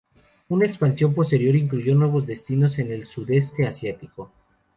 Una expansión posterior incluyó nuevos destinos en el sudeste Asiático.